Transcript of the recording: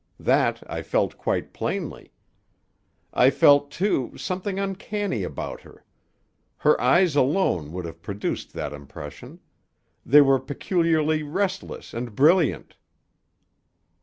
That I felt quite plainly. I felt, too, something uncanny about her. Her eyes alone would have produced that impression. They were peculiarly restless and brilliant."